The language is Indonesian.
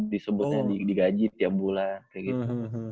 disebutnya digaji tiap bulan kayak gitu